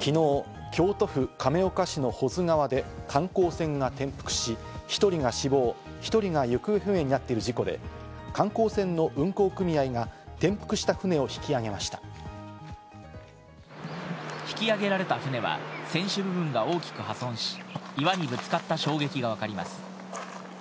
昨日、京都府亀岡市の保津川で観光船が転覆し、１人が死亡、１人が行方不明になっている事故で、観光船の運航組合が転覆した船を引き揚げられた船は船首部分が大きく破損し、岩にぶつかった衝撃がわかります。